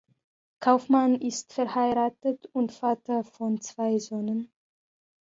Kauffmann ist verheiratet und Vater von zwei Söhnen.